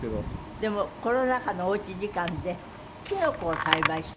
でもコロナ禍のお家時間でキノコを栽培した。